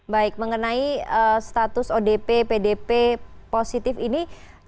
baik mengenai status odp pdp positif ini